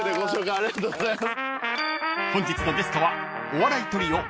ありがとうございます。